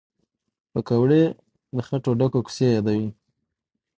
پکورې له خټو ډکو کوڅو یادوي